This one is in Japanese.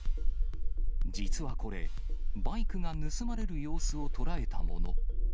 実はこれ、バイクが盗まれる様子を捉えたもの。